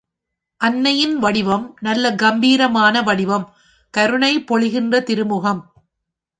அன்னையின் வடிவம் நல்ல கம்பீரமான வடிவம், கருணை பொழிகின்ற திருமுகம்.